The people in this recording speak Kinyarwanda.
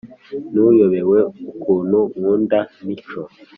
ntuyobewe ukuntu nkunda mico